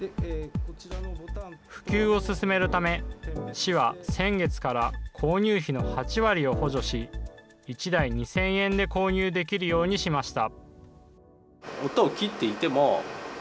普及を進めるため、市は先月から購入費の８割を補助し、１台２０００円で購入できるようにしました。